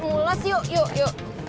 mules yuk yuk yuk